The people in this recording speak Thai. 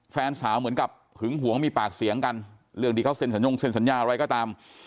แฟนสาวเหมือนกับหึงหัวมีปากเสียงกันเรื่องดีเขาเซ็นสัญญาอะไรก็ตาม